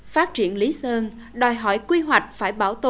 phát triển lý sơn đòi hỏi quy hoạch phải bảo tồn